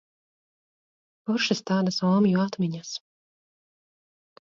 Foršas tādas omju atmiņas.